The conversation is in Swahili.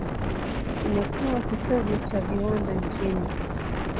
Imekuwa kitovu cha viwanda nchini.